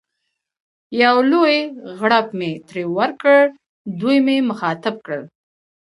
یو لوی غړپ مې ترې وکړ، دوی مې مخاطب کړل.